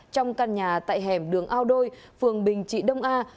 trong căn nhà tại hẻm đường ao đôi phường bình trị đông a